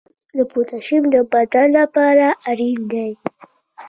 د پوتاشیم د بدن لپاره اړین دی.